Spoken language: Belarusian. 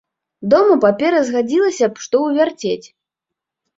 Дома папера згадзілася б што ўвярцець.